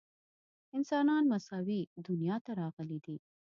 انسانان مساوي دنیا ته راغلي دي.